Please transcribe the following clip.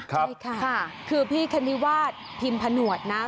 ใช่ค่ะคือพี่คณิวาสพิมพ์ผนวดนะ